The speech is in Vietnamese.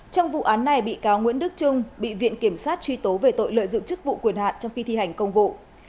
trong vụ án này bị cáo nguyễn đức trung bị viện kiểm sát truy tố về tội lợi dụng chức vụ quyền hạn trong khi thi hành công vụ